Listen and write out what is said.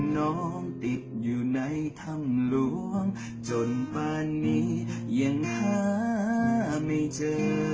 น้องติดอยู่ในถ้ำหลวงจนป่านนี้ยังหาไม่เจอ